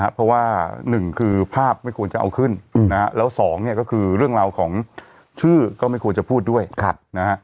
เพราะว่าหนึ่งคือภาพไม่ควรจะเอาขึ้นนะฮะแล้วสองเนี่ยก็คือเรื่องราวของชื่อก็ไม่ควรจะพูดด้วยนะฮะ